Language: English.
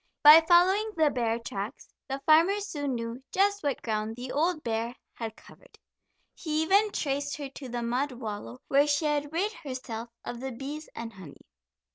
By following the bear tracks the farmer soon knew just what ground the old bear had covered. He even traced her to the mud wallow where she had rid herself of the bees and honey.